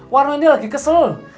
warno ini lagi kesel